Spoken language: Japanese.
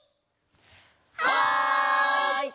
はい！